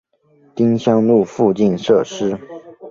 丁香路附近设施